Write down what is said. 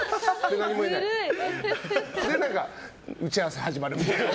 で、打ち合わせ始まるみたいな。